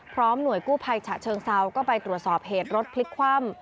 หน่วยกู้ภัยฉะเชิงเซาก็ไปตรวจสอบเหตุรถพลิกคว่ำ